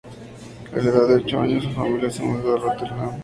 A la edad de ocho años, su familia se mudó a Rotterdam.